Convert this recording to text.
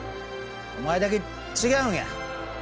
お前だけ違うんや。